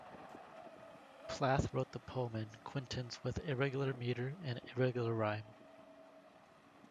Plath wrote the poem in quintains with irregular meter and irregular rhyme.